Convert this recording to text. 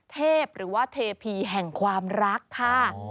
เทพหรือว่าเทพีแห่งความรักค่ะ